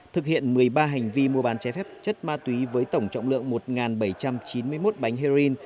thực hiện một mươi ba hành vi mua bán trái phép chất ma túy với tổng trọng lượng một bảy trăm chín mươi một bánh heroin